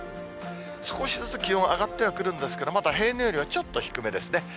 少しずつ気温上がってはくるんですが、まだ平年よりは低めですね。